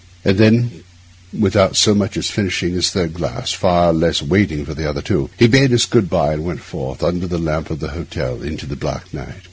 And then, without so much as finishing his third glass, far less waiting for the other two, he bade us good bye and went forth, under the lamp of the hotel, into the black night.